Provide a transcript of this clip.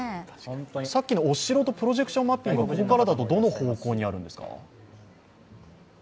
さっきのお城とプロジェクションマッピングはここからだとどの方向になるんですか？